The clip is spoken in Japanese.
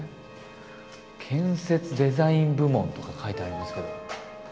「建設デザイン部門」とか書いてありますけど。